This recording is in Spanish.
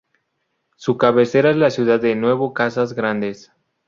Su cabecera es la ciudad de Nuevo Casas Grandes.